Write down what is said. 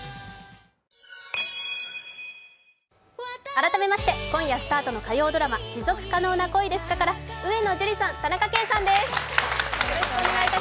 改めまして、今夜スタートの火曜ドラマ「持続可能な恋ですか？」から上野樹里さん、田中圭さんです。